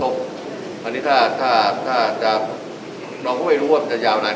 คิดว่าไฟไฟในด้วยเวลาได้